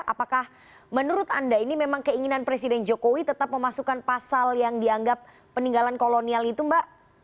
apakah menurut anda ini memang keinginan presiden jokowi tetap memasukkan pasal yang dianggap peninggalan kolonial itu mbak